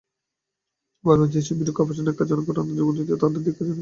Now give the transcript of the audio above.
বারবার যেসব ভীরু-কাপুরুষ এমন ন্যক্কারজনক ঘটনার জন্ম দিচ্ছে, তাদের প্রতি ধিক্কার জানাচ্ছি।